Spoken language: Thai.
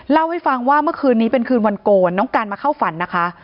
เล่าให้ฟังว่าเมื่อคืนนี้เป็นคืนวันโกนน้องการมาเข้าฝันนะคะ